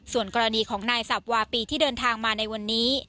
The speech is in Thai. ส่วนกรณีของนายสับวาปีที่เดินทางมาในวันนี้